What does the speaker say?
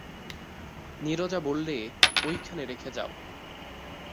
নীরজা বললে, ঐখানে রেখে যাও।